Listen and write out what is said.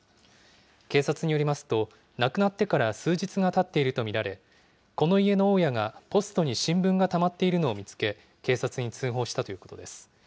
警察によりますと、亡くなってから数日がたっていると見られ、この家の大家がポストに新聞がたまっているのを見つけ、警察に通報したということです。